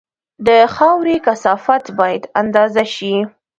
د خاورې کثافت باید اندازه شي